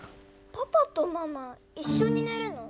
パパとママ一緒に寝るの！？